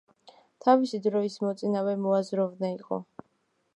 თავისი დროის მოწინავე მოაზროვნე იყო.